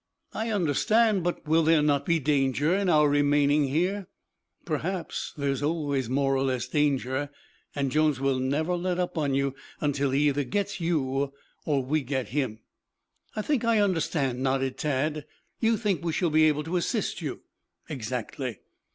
"I understand. But will there not be danger in our remaining here?" "Perhaps. There's always more or less danger, and Jones will never let up on you until either he gets you or we get him." "I think I understand," nodded Tad. "You think we shall be able to assist you?" "Exactly."